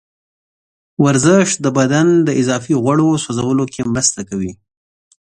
ورزش د بدن د اضافي غوړو سوځولو کې مرسته کوي.